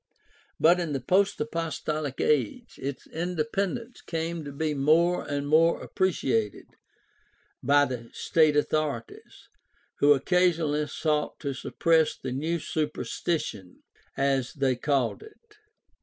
But in the post apostolic age its independence came to be more and more appreciated by the state authorities, who occasionally sought to suppress the new" ''superstition," as they called it.